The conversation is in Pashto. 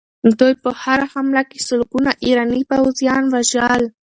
دوی په هره حمله کې سلګونه ایراني پوځیان وژل.